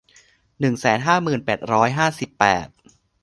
หนึ่งแสนห้าหมื่นแปดร้อยห้าสิบแปด